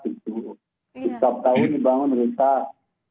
setiap tahun dibangun pemerintah